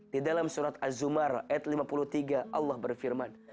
di dalam surat azumar ayat lima puluh tiga allah berfirman